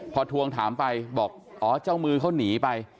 พอทวงถามไปบอกอ๋อเจ้ามือเขาหนีไป